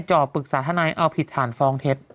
จ่อปรึกษาทนายเอาผิดฐานฟองเท็จ